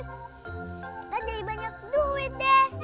gak jadi banyak duit deh